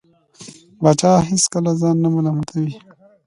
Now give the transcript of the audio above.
پاچا هېڅکله ځان نه ملامتوي .